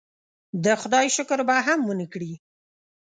د خدای شکر به هم ونه کړي.